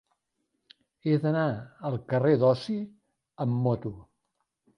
He d'anar al carrer d'Osi amb moto.